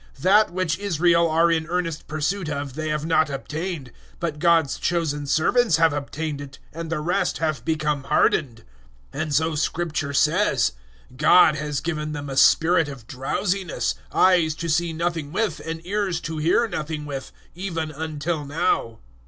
That which Israel are in earnest pursuit of, they have not obtained; but God's chosen servants have obtained it, and the rest have become hardened. 011:008 And so Scripture says, "God has given them a spirit of drowsiness eyes to see nothing with and ears to hear nothing with even until now."